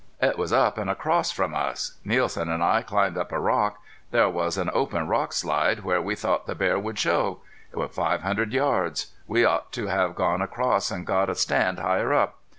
It was up an' across from us. Nielsen an' I climbed on a rock. There was an open rock slide where we thought the bear would show. It was five hundred yards. We ought to have gone across an' got a stand higher up.